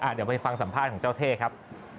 เดี๋ยวไปฟังสัมภาษณ์ของเจ้าเท่ครับ